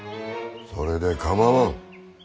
それでかまわん。